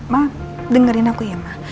ma dengerin aku ya mah